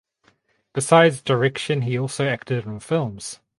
Besides direction he also acted in films.